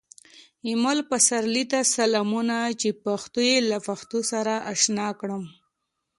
ایمل پسرلي ته سلامونه چې پښتو یې له پښتو سره اشنا کړم